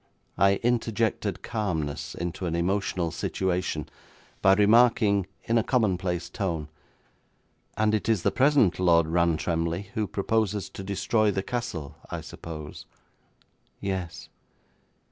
I interjected calmness into an emotional situation by remarking in a commonplace tone, 'And it is the present Lord Rantremly who proposes to destroy the Castle, I suppose?' 'Yes.'